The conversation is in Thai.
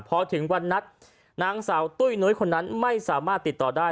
พอถึงวันนัดนางสาวตุ้ยนุ้ยคนนั้นไม่สามารถติดต่อได้